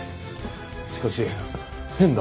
しかし変だ。